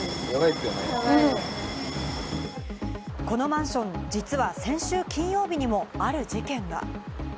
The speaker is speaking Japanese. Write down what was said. このマンション、実は先週金曜日にもある事件が。